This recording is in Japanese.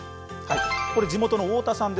地元の太田さんです。